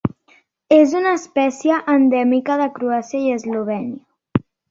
És una espècie endèmica de Croàcia i Eslovènia.